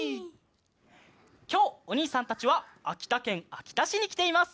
きょうおにいさんたちはあきたけんあきたしにきています。